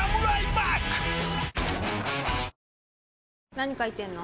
何書いてんの？